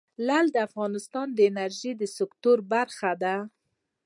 لعل د افغانستان د انرژۍ سکتور برخه ده.